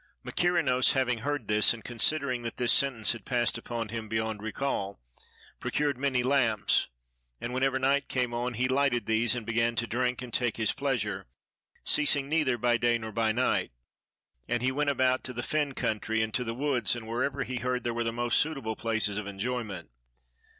Mykerinos having heard this, and considering that this sentence had passed upon him beyond recall, procured many lamps, and whenever night came on he lighted these and began to drink and take his pleasure, ceasing neither by day nor by night; and he went about to the fen country and to the woods and wherever he heard there were the most suitable places of enjoyment.